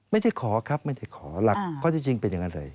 ไม่ได้ขอครับไม่ได้ขอหลักข้อที่จริงเป็นอย่างนั้นเลย